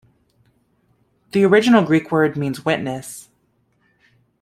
The original Greek word means 'witness.